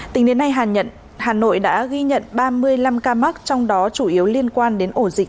tính đến nay hà nội đã ghi nhận ba mươi năm ca mắc trong đó chủ yếu liên quan đến ổ dịch